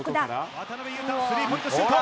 渡邊雄太のスリーポイントシュート。